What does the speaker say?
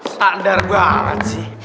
sadar banget sih